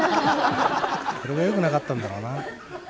これがよくなかったんだろうな。